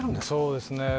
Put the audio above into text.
そうですね